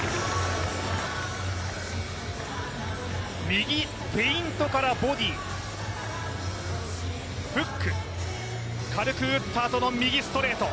右フェイントからボディフック、軽く打ったあとの右ストレート。